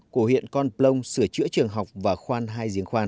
cổ huyện con plông sửa chữa trường học và khoan hai diễn khoan